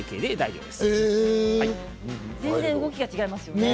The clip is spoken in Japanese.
全然、動きが違いますね。